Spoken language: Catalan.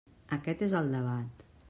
Aquest és el debat.